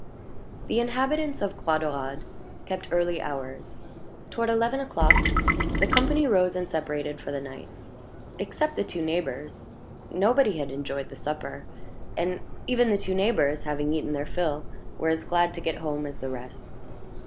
The inhabitants of Croix Daurade kept early hours. Toward eleven o'clock, the company rose and separated for the night. Except the two neighbors, nobody had enjoyed the supper, and even the two neighbors, having eaten their fill, were as glad to get home as the rest.